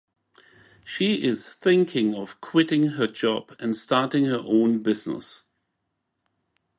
She is thinking of quitting her job and starting her own business.